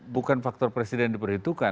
bukan faktor presiden diperhitungkan